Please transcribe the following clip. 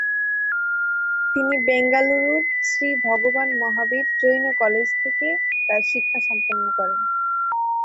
তিনি বেঙ্গালুরুর, শ্রী ভগবান মহাবীর জৈন কলেজ থেকে তার শিক্ষা সম্পন্ন করেন।